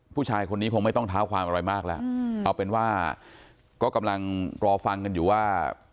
ผู้ชายคนนี้คงไม่ต้องเท้าความอะไรมากแล้วเอาเป็นว่าก็กำลังรอฟังกันอยู่ว่า